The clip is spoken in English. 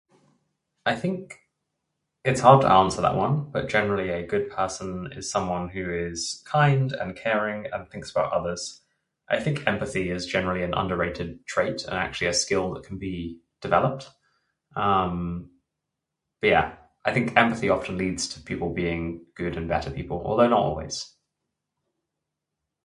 I think...It's hard to answer that one, but generally a good person is someone who is kind, and caring, and thinks about others. I think empathy is generally an underrated trait, and actually a skill that can be developed, um...but yeah, I think empathy often leads to people being good and better people. Although, not always.